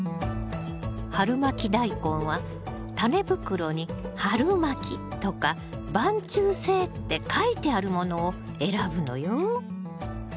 春まきダイコンはタネ袋に「春まき」とか「晩抽性」って書いてあるものを選ぶのよ。